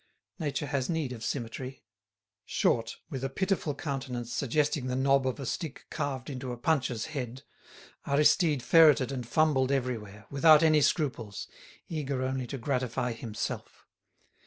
Nature has need of symmetry. Short, with a pitiful countenance suggesting the knob of a stick carved into a Punch's head, Aristide ferretted and fumbled everywhere, without any scruples, eager only to gratify himself.